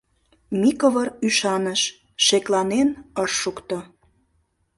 Микывыр ӱшаныш, шекланен ыш шукто.